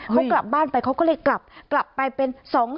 เขากลับบ้านไปเขาก็เลยกลับไปเป็น๒๒๗